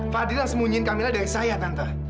fadil yang sembunyiin camilla dari saya tante